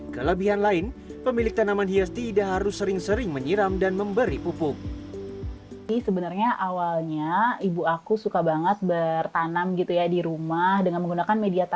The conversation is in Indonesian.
kelebihan lain pemilik tanaman hias tidak harus sering sering menyiram dan memberi pupuk